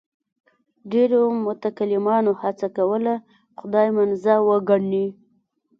ډېرو متکلمانو هڅه کوله خدای منزه وګڼي.